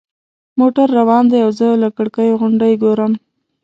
موټر روان دی او زه له کړکۍ غونډۍ ګورم.